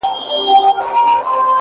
ډېر الله پر زړه باندي دي شـپـه نـه ده!!